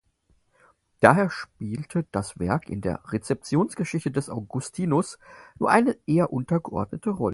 Daher spielte das Werk in der Rezeptionsgeschichte des Augustinus nur eine eher untergeordnete Rolle.